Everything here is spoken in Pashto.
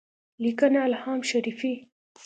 لیکنه الهام شریفي